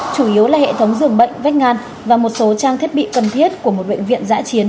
chủ yếu là hệ thống dường bệnh vách ngăn và một số trang thiết bị cần thiết của một bệnh viện giã chiến